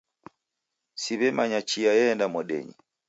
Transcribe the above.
Siw'emanya chia eenda modenyi